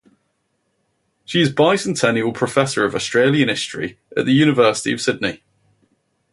She is Bicentennial Professor of Australian History at the University of Sydney.